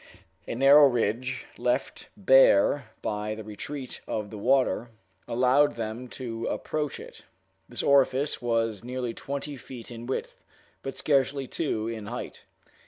A narrow ridge, left bare by the retreat of the water, allowed them to approach it. This orifice was nearly twenty feet in width, but scarcely two in height.